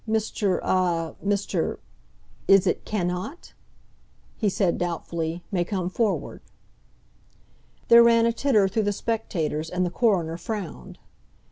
"Mr.—ah—Mr.—is it Cannot?" he said doubtfully, "may come forward." There ran a titter though the spectators, and the coroner frowned.